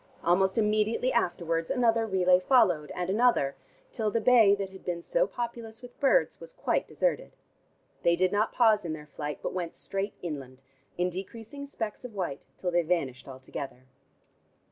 Almost immediately afterwards, another relay followed, and another, till the bay that had been so populous with birds was quite deserted. They did not pause in their flight, but went straight inland, in decreasing specks of white till they vanished altogether.